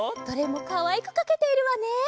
どれもかわいくかけているわね！